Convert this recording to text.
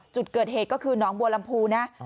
จุดเกิดเหตุก็คือหนองบัวลำพูนะ